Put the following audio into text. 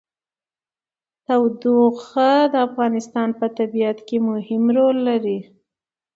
تودوخه د افغانستان په طبیعت کې مهم رول لري.